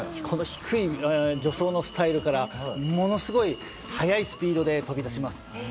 この低い助走のスタイルからものすごい速いスピードで飛び出します。